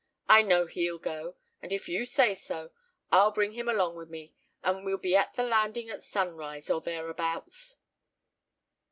I know he'll go; and if you say so, I'll bring him along with me, and we'll be at the landing at sunrise, or thereabouts."